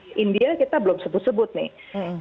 nah belum lagi india india kita belum sebut sebut nih